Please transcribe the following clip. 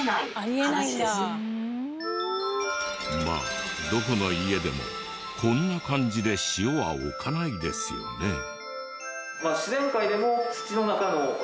まあどこの家でもこんな感じで塩は置かないですよね。